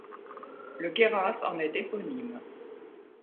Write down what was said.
Le Queyras en est éponyme.